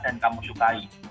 dan kamu sukai